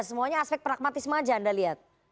semuanya aspek pragmatisme aja anda lihat